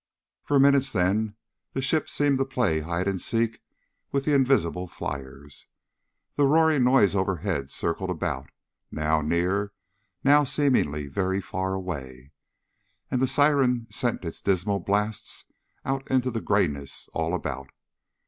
For minutes, then, the ship seemed to play hide and seek with the invisible fliers. The roaring noise overhead circled about, now near, now seeming very far away. And the siren sent its dismal blasts out into the grayness all about.